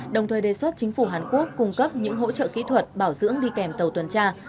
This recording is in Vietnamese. đồng thời đề xuất chính phủ hàn quốc cung cấp những hỗ trợ kỹ thuật bảo dưỡng đi kèm tàu tuần tra